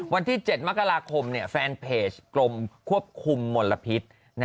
วันที่๗มเนี่ยฟานเพจกรมควบคลุมมลพิษ